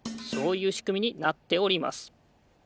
そういうしくみになっております。